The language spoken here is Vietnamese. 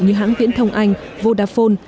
như hãng viễn thông anh vodafone